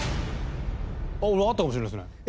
俺わかったかもしれないですね。